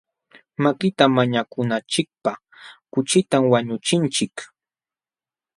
Makita mañakunachikpaq kuchitam wañuchinchik.